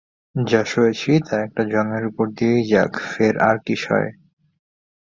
যা সয়েছি তা একটা জন্মের উপর দিয়েই যাক, ফের আর কি সয়?